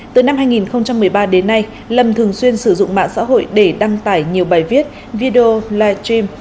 từ năm hai nghìn một mươi ba đến nay lâm thường xuyên sử dụng mạng xã hội để đăng tải nhiều bài viết video live stream